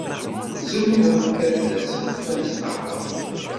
Tzemremt ad d-tasemt ma tebɣamt.